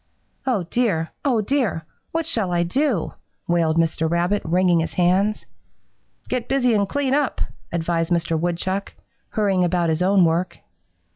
"'Oh, dear! Oh, dear! What shall I do?' wailed Mr. Rabbit, wringing his hands. "'Get busy and clean up,' advised Mr. Woodchuck, hurrying about his own work.